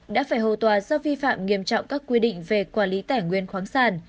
đã phải hầu tòa do vi phạm nghiêm trọng các quy định về quản lý tẻ nguyên khoáng sàn